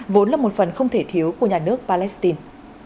vốn là một phần không thể thiếu của nhà nước palestine